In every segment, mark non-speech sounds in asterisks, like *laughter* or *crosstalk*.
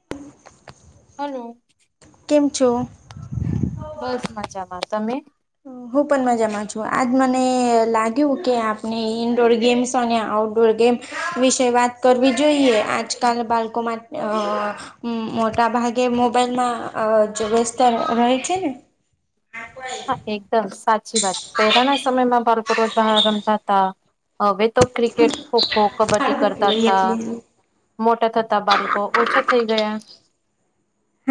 *inaudible* Hello કેમ છો? બસ મજામાં તમે, હું પણ મજામાં છું આજ મને લાગ્યું કે આપણે ઇન્ડોર ગેમ્સ અને આઉટડોર ગેમ્સ વિશે વાત કરવી જોઈએ, આજકાલ બાલકોમાં અ હમ્મ મોટા ભાગે મોબાઈલમાં જો વ્યસ્તા રહે છે ને એકદમ સાચી વાત પહેલાના સમયમાં બાળકો રોજ બહાર રમતાતા હવે તો ક્રિકેટ, ખોખો, કબડ્ડી કરતા હતા. મોટા થતા બાળકો ઓછા થઈ ગયા.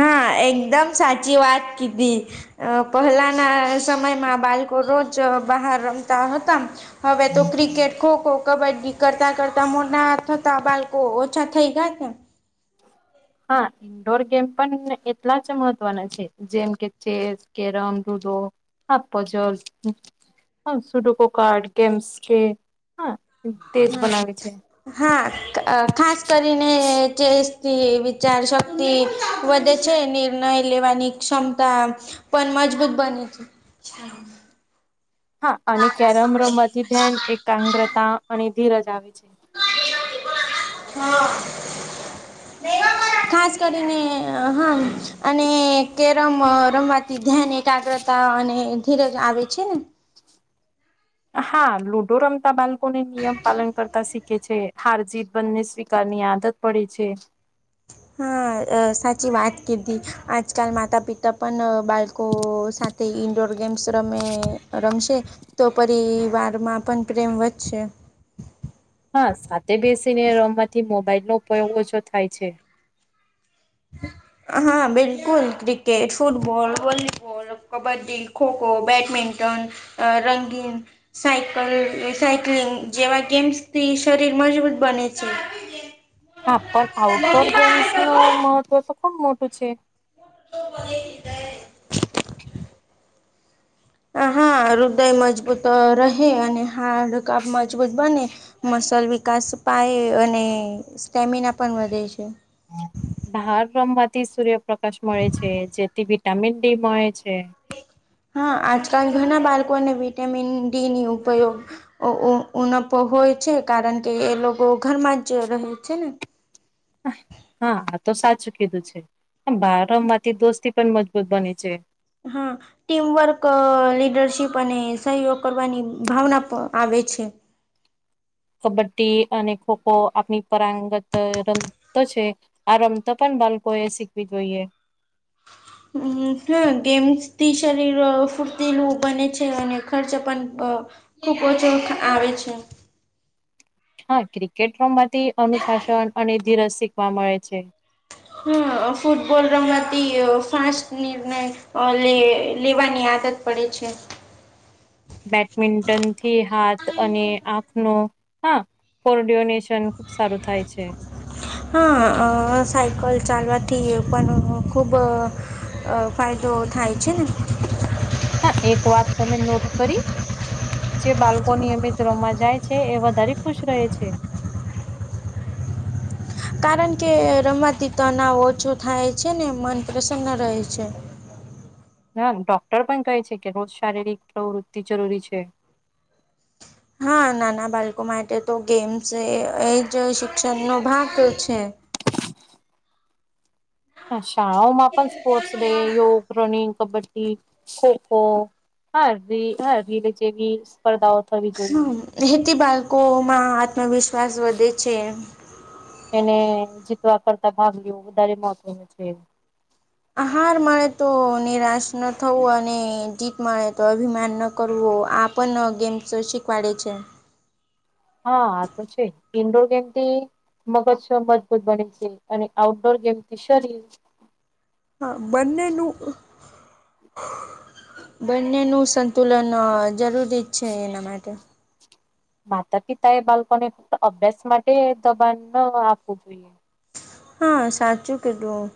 હા એકદમ સાચી વાત કીધી અ પહેલાના સમયમાં બાળકો રોજ બહાર રમતા હતા હવે તો ક્રિકેટ, ખોખો કબડ્ડી કરતાં કરતાં મોટા થતા બાળકો ઓછા થઈ ગયા હા ઇન્ડોર ગેમ પણ એટલા જ મહત્વના છે. જેમ કે ચેસ, કેરમ, લુડો, હપજલ હ સુડુકો કાર્ડ, કેમ્સ કે હ તેજ હા. બનાવે છે. હા ખાસ કરીને જે વિચારશક્તિ વધે છે, નિર્ણય લેવાની ક્ષમતા પણ મજબૂત બને છે. હા અને કેરમ રમવાથી ધ્યાન એકાગ્રતા અને ધીરજ આવે છે. *unintelligible* ખાસ કરીને, હા. અને કેરમ રમવાથી ધ્યાન એકાગ્રતા અને ધીરજ આવે છે ને હા લુડો રમતા બાળકોને નિયમ પાલન કરતા શીખે છે હાર જીત બંને સ્વીકારની આદત પડે છે હા સાચી વાત કીધી આજકાલ માતા પિતા પણ બાળકો સા તે ઇન્ડોર ગેમ્સ રમે રમશે તો પરિવારમાં પણ પ્રેમ વધશે હા સાથે બેસીને રમમાંથી મોબાઈલનો ઉપયોગ ઓછો થાય છે. *inaudible* હા બિલકુલ cricket, football, volleyball, kabaddi, kho kho, badminton અ રંગીન સાયકલ સાયક્લિંગ જેવા ગેમ્સથી શરીર મજબૂત બને છે. *inaudible* હા પણ આઉટડોર ગેમ્સનું મહત્વ તો ખુબ મોટું છે. *inaudible* હ હા હૃદય મજબૂત રહે અને હાડ કાપ મજબૂત બને મસલ વિકાસ પાય અને સ્ટેમિના પણ વધે છે. બાર રમવાથી સૂર્યપ્રકાશ મળે છે જેથી વિટામિન ડી મળે છે. હા આજકાલ ઘણા બાળકોને વિટામિન ડી ની ઉપયોગ ઉનપ હોય છે કારણ કે એ લોકો ઘરમાં જ જે રહે છે ને હા આ તો સાચું કીધું છે બાર માંથી દોસ્તી પણ મજબૂત બને છે. હા ટીમવર્ક લીડરશીપ અને સહયોગ કરવાની ભાવના આવે છે. કબડ્ડી અને ખોખો આપણી પંગત ર તો છે આ રમતા પણ બાળકો એ શીખવી જોઈએ હમ હ ગેમ્સ થી શરીર ફૂર્તિ નું બને છે અને ખર્ચ પણ અ ખૂબ ઓછો આવે છે. હા ક્રિકેટ રોમ માંથી અનુશાસન અને ધીરજ શીખવા મળે છે. હા ફૂટબોલ રમતી ફાસ્ટ નિર્ણય લે લેવાની આદત પડે છે. બેડમિન્ટન થી હાથ અને આંખનો હા ફરડિયોનેશન ખુબ સારું થાય છે. હા સાયકલ ચાલવાથી પણ ખૂબ અ અ ફાયદો થાય છે ને. હા, એક વાત તમે નોટ કરી? જે બાળકો નિયમિત રોમાં જાય છે, એ વધારે ખુશ રહે છે. કારણ કે રમતી તણાવ ઓછો થાય છે ને મન પ્રસન્ન રહે છે, *inaudible* ડોક્ટર પણ કહે છે કે રોજ શારીરિક પ્રવૃત્તિ જરૂરી છે. હા, નાના બાળકો માટે તો ગેમ્સ એ જ શિક્ષણનો ભાગ છે. હા, શાળાઓમાં પણ સ્પોર્ટ્સ ડે યોગ, રનિંગ, કબડ્ડી, ખોખો, હાર હાર રીલી જેવી સ્પર્ધાઓ થવી જોઈએ. રહેેતી બાળકોમાં આત્મવિશ્વાસ વધે છે, એને જીતવા કરતા ભાગ લેવો વધારે મહત્વનું છે, એ આ હાર મળે તો નિરાશ ન થવું અને જીત મળે, તો અભિમાન ન કરવો આપ ઓપન્નનો ગેમ્સો શીકવાડે છે. હા, આ તો છે ઇન્ડોર ગેમથી મગજ સ્ મજબૂત બને છે, અને આઉટડોર ગેમથી શરીર હા, બંનેનું બંનેનું તુલનો જરૂરી જ છે, એના માટે માતા પિતા એ બાળકોને ફક્ત અભ્યાસ માટે દબાણ આપવું જોઈએ. હા, સાચું કેધું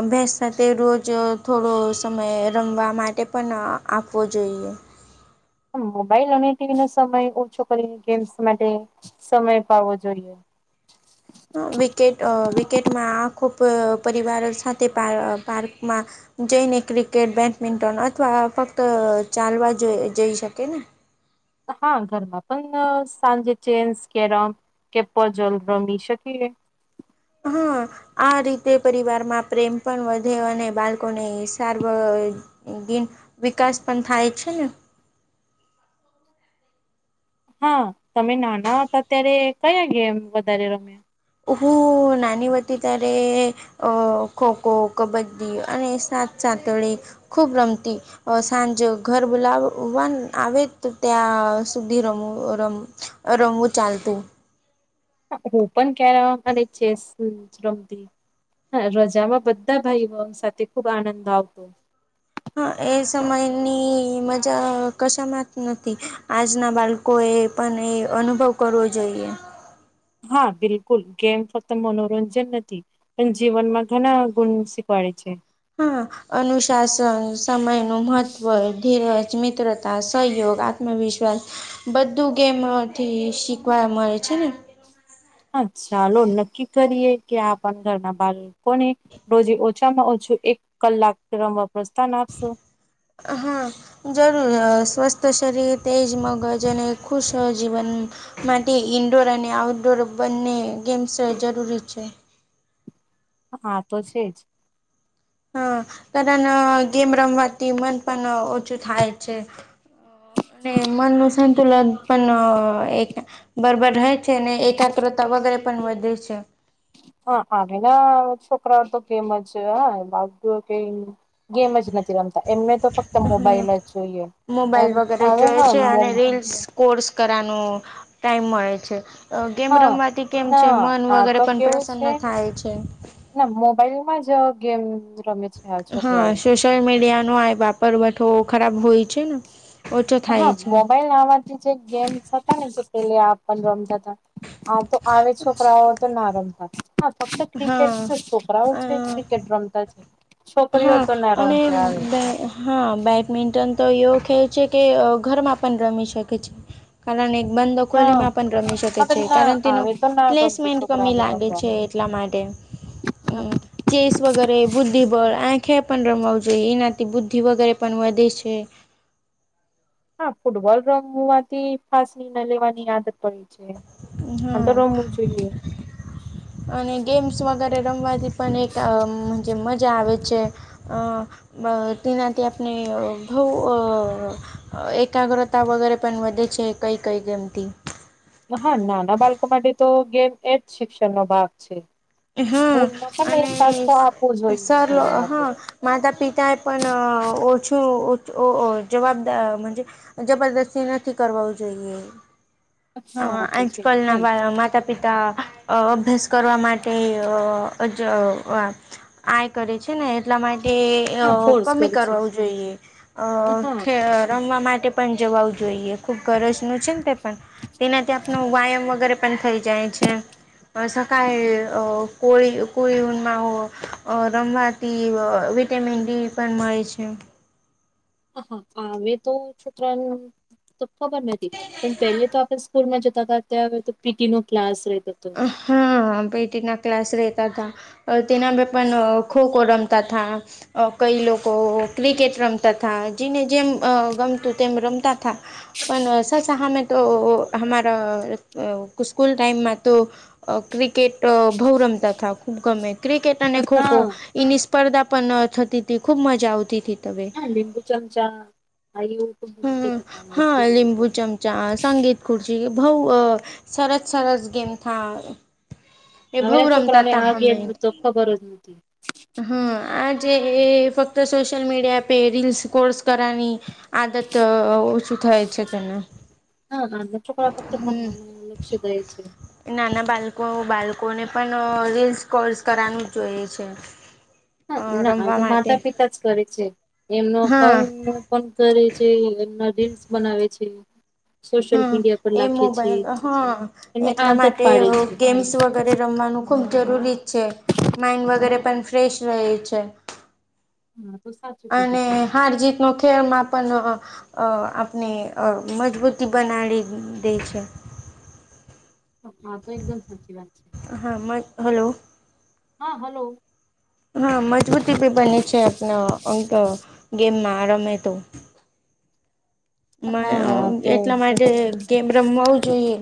અભ્યાસ સાથે રોજ થોડો સમય રમવા માટે પણ આપવો જોઈએ, મોબાઈલ અને ટીવી નો સમય ઓછો કરીને ગેમ્સ માટે સમય પાવવો જોઈએ, વિકેટ વિકેટમાં આખો પરિવાર સાથે પાર્કમાં જઈને ક્રિકેટ, બેડમિન્ટન અથવા ફક્ત ચાલવા જઈ શકે ને? હા, ઘરમાં પણ સાંજે ચેન્સ કેરમ કેપ જલ રમી શકીએ, હા આ રીતે પરિવારમાં પ્રેમ પણ વધે અને બાળકોને સારવ દિન વિકાસ પણ થાય છે ને. હા, તમે નાના હતા ત્યારે કયા ગેમ વધારે રમ્યા? ઉહું નાની વાટી ત્યારે અ ખો ખો, કબડ્ડી અને સાત સાથેળી ખૂબ રમતી સાંજે ઘર બોલાવવા આવે તો ત્યાં સુધી રમું રમ રંગું ચાલતું. હું પણ ક્યારે અને ચેસ રમતી. હા, રજામાં બધા ભાઈઓ સાથે ખુબ આનંદ આવતો. હા, એ સમયની મજા કશામાં જ નથી આજના બાળકો કોએ પણ એ અનુભવ કરવો જોઈએ. હા, બિલકુલ ગેમ ફક્ત મનોરંજન નથી. પણ જીવનમાં ઘણા ગુણ શીખવાડે છે. હા. અનુશાસન, સમયનું મહત્ત્વ, ધીરજ, મિત્રતા, સહયોગ, આત્મવિશ્વાસ બધું ગેમથી શીખવા મળે છે ને? હ ચાલો નક્કી કરીએ, કે આપણ ઘરના બાળ કોને. રોજ ઓછામાં ઓછું એક કલાક રમવા પ્રસ્થાન આપશો. હા. જરૂર સ્વસ્થ શરીર તેજ મગજ અને ખુશ જીવન માટે ઇન્ડોર અને આઉટડોર બંને ગેમ્સ જરૂરી છે. હા તો છે જ હા કારણ ગેમ રમવાથી મન પણ ઓછું થાય છે. અને મન નું સંતુલન પણ એક બરોબર રહે છે, ને એકાગ્રતા વગેરે પણ વધે છે. *unintelligible* ગેમ જ નથી રમતા એમને તો ફક્ત હમ મોબાઈલ જ જોઈએ, એમ મોબાઈલ વગેરે આવે જોય હા છે અને રીલ્સ કોર્સ કરવાનો ટાઈમ મળે છે. ગેમ હા રમવાથી કેમ છે ના મન આ વગેરે તો પણ કેવું છે પ્રસન્ન થાય છે. ના મોબાઈલમાં જ ગેમ રમે છે આ હા છોકરાઓ સોશિયલ મીડિયા નો આ વાપર બધો ખરાબ હોય છેને હા મોબાઈલ આવાથી જે ગેમ્સ હતા ને જે પેહલા આપ રમતા હતા. આ તો આવે જ છોકરાઓ તો ના રમતા હા ફક્ત ક્રિકેટ હા છે છોકરાઓ છે અ ક્રિકેટ રમતા છે. છોકરીઓ હા તો ના અને રમતી આવે બે હા બેડમિન્ટન તો એવુ કે છે કે ઘરમાં પણ રમી શકે છે. કારણ એક બંદો ગલી હા માં પણ રમી શકે હવે છે, ના કારણ તેનો આવે તો ના ગમતું પ્લેસમેન્ટ કમી છોકરાઓને લાગે રમવા છે. એટલા માટે હા ચેસ વગેરે બુદ્ધિ આંખે પણ રમવું જોઈએ એનાથી બુદ્ધિ વગેરે પણ વધે છે. હા ફૂટબોલ રંગ હોવાથી ફાસણીને લેવાની આદત પડી છે. હા તો રમવું જોઈએ. અને ગેમ્સ વગેરે રમવાથી પણ એક મજા આવે છે. અ તેનાથી આપણી બહુ એકાગ્રતા વગેરે પણ વધે છે. કઈ કઈ કેમતી હા નાના બાળકો માટે તો ગેમ એ જ શિક્ષણનો ભાગ છે. હા સ્કૂલમાં પણ એક અને કાસ તો આપવું જોઈએ સર જેમ માટે હા માતા પિતાએ પણ ઓછુ જવાબદાર જબરદસ્તી નથી કરવી જોઈએ. હા આમા તો છે આજકાલ એમ ના માતા પિતા અભ્યાસ કરવા માટે આ કરે છે ને એટલા માટે હા ફોર્સ કમી કરે છે કરાવવું જોઈએ હા રમવા માટે પણ જવું જોઈએ ખૂબ ગરજનું છેને, તે પણ તેના થી આપનો વ્યાયામ વગેરે પણ થઈ જાય છે. *unintelligible* તે વિટામિન ડી પણ મળે છે. આવે તો છોકરાઓ તો ખબર નથી પણ પહેલે તો આપણે સ્કૂલમાં જતા હતા ત્યારે તો પીટી નો ક્લાસ રહેતો હતો. હા પેટી ના ક્લાસ રહેતા હતા. તેના પણ ખોખો રમતા હતા કઈ લોકો ક્રિકેટ રમતા હતા જેને જેમ ગમતું તેમ રમતા હતા. પણ સર સામે તો સ્કૂલ ટાઈમમાં તો ક્રિકેટ બહુ રમતા હતા ખુબ ગમે ક્રિકેટ અને ખોખો હા એની સ્પર્ધા પણ થતી હતી ખૂબ મજા આવતી હતી તમે લિંબુ ચમચા આહી ઉ *inaudible* ટું કે હમ ત સ્કૂલ મ ખુરસી બહુ અ સરસ સરસ ગેમ થા એ હવે બહુ ના રમતા છોકરાને તા આ ગેમ તો ખબર જ નથી હોતી. હમ આજે એ ફક્ત સોશિયલ મીડિયા પે રીલ્સ સ્ક્રોલ કરવાની. આદત ઓછું થાય. છે તેને હમ *unintelligible* નાના બાળકો બાળકોને પણ રીલ્સ સ્ક્રોલ કરવાનું જોઈએ છે. હા અ ના હવે રમવા તો માટે માતા પિતા જ કરે છે એમનો હા અકાઉન્ટ પણ કરે છે એમના રિન્સ બનાવે છે. સોશિયલ હા મીડિયા પર એ લખે છે મોબાઈલ હા એને એટલા આદત માટે પાડે છે. ગેમ્સ વગેરે રમવાનું ખૂબ જરૂરી છે માઈન્ડ વગેરે પણ ફ્રેશ રહે છે. હા તો સાચું. અને કીધું તમે હાર જીતનો ખેલમાં આપણે મજબૂતી બનાવી દે છે. હા તો એકદમ સાચી વાત છે. હા હલો. હા હલો. હા મજબૂતી બની છે આપના એમ તો ગેમ ના રમે તો *unintelligible* હા તો એટલા માટે સાચું કીધું. ગેમ રમવું જોઈએ.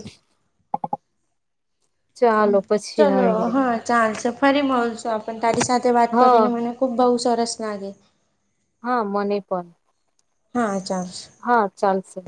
હ ચાલો પછી ચલો મળીએ હા. ચાલશે ફરી મળીશું તારી સાથે વાત હા કરીને મને ખુબ બહુ સરસ લાગ્યુ. હા મને પણ હા ચાલસે. હા ચાલશે.